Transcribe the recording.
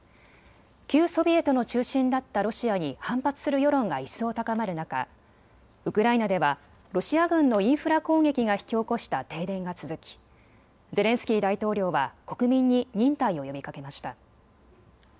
旧ソビエトの中心だったロシアに反発する世論が一層高まる中、ウクライナではロシア軍のインフラ攻撃が引き起こした停電が続きゼレンスキー大統領は国民に忍耐を呼びかけました。